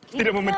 tidak mau mencet